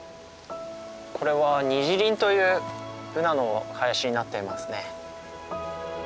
これは二次林というブナの林になっていますね。